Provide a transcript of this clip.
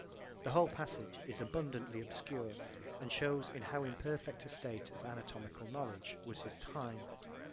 The whole passage is abundantly obscure and shows in how imperfect a state of anatomical knowledge was his time.